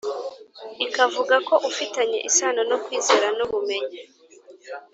ikavuga ko ufitanye isano no kwizera n’ubumenyi